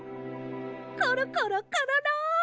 コロコロコロロ！